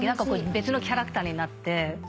別のキャラクターになって。